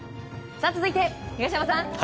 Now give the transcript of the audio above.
続いて、東山さん！